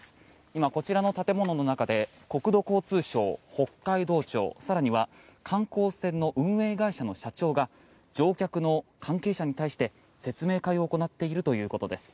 今、こちらの建物の中で国土交通省、北海道庁更には観光船の運営会社の社長が乗客の関係者に対して説明会を行っているということです。